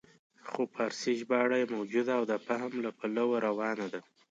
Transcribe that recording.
خو فارسي ژباړه یې موجوده او د فهم له پلوه روانه ده.